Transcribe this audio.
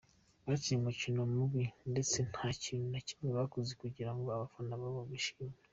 Bakinnye umukino mubi ndetse nta kintu na kimwe bakoze kugira ngo abafana babo bishime.